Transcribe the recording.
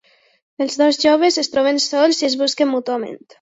Els dos joves es troben sols i es busquen mútuament.